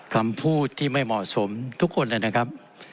คำพูดที่ไม่เหมาะสมทุกคนนะครับ